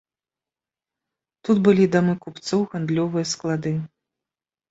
Тут былі дамы купцоў, гандлёвыя склады.